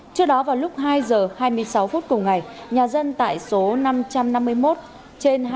trước đó vào lúc hai h hai mươi sáu phút cùng ngày nhà dân tại số năm trăm năm mươi một trên hai mươi